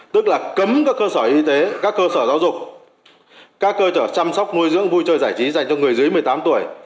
tức là cấm các cơ sở y tế các cơ sở giáo dục các cơ sở chăm sóc nuôi dưỡng vui chơi giải trí dành cho người dưới một mươi tám tuổi